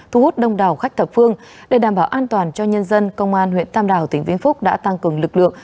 thu hút đông đảo khách thập phương để đảm bảo an toàn cho nhân dân công an huyện tam đào tỉnh vĩnh phúc đã tăng cường lực lượng